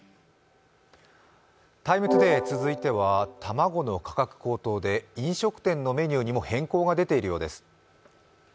「ＴＩＭＥ，ＴＯＤＡＹ」続いては卵の価格高騰で飲食店のメニューにも変更が出ているようです。